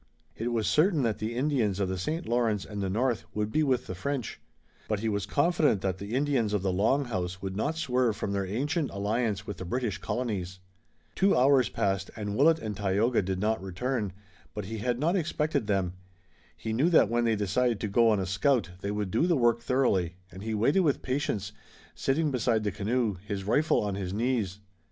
It was certain that the Indians of the St. Lawrence and the North would be with the French, but he was confident that the Indians of the Long House would not swerve from their ancient alliance with the British colonies. Two hours passed and Willet and Tayoga did not return, but he had not expected them. He knew that when they decided to go on a scout they would do the work thoroughly, and he waited with patience, sitting beside the canoe, his rifle on his knees.